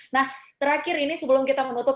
nah terakhir ini sebelum kita menutup